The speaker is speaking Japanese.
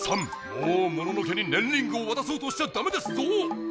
もうモノノ家にねんリングをわたそうとしちゃダメですぞ！